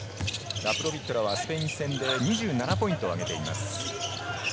ラプロビットラはスペイン戦で２７ポイントをあげています。